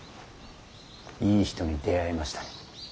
いい人に出会えましたね。